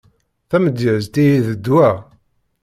Tamedyazt ihi d ddwa.